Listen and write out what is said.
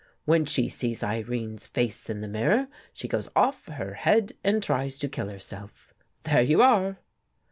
When she sees Irene's face in the mirror, she goes off her head and tries to kill herself. There you are